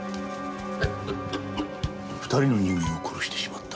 「二人の人間を殺してしまった」